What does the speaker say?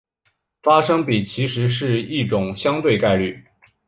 发生比其实是一种相对概率。